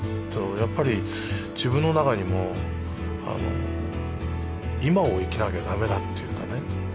やっぱり自分の中にも今を生きなきゃダメだっていうかね。